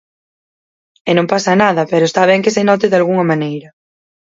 E non pasa nada, pero está ben que se note dalgunha maneira.